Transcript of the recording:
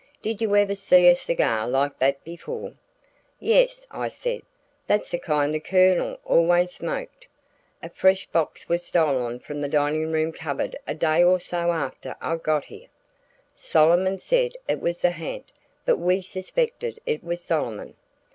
Did you ever see a cigar like that before?" "Yes," I said, "that's the kind the Colonel always smoked a fresh box was stolen from the dining room cupboard a day or so after I got here. Solomon said it was the ha'nt, but we suspected it was Solomon."